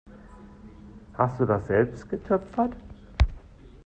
Hast du das selbst getöpfert?